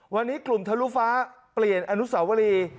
วันนี้กลุ่มทะลุฟ้าเปลี่ยนอนุสาวรี